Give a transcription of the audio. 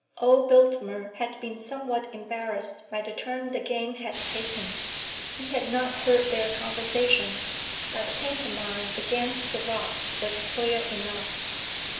Old Biltmer had been somewhat embarrassed by the turn the game had taken. He had not heard their conversation, but the pantomime against the rocks was clear enough.